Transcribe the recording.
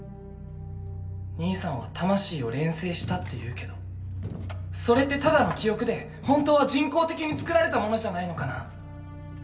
兄さんは「魂を錬成した」って言うけどそれってただの記憶で本当は人工的につくられたものじゃないのかな？